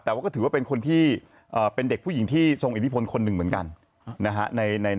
แต่ว่าก็ถือว่าเป็นคนที่เป็นเด็กผู้หญิงที่ทรงอิทธิพลคนหนึ่งเหมือนกันนะฮะ